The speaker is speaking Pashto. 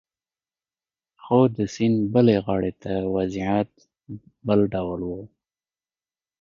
خو د سیند بلې غاړې ته وضعیت بل ډول و